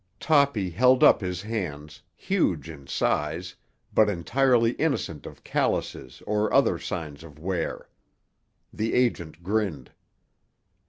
Toppy held up his hands, huge in size, but entirely innocent of callouses or other signs of wear. The agent grinned.